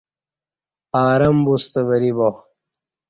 ارم بوستہ وری با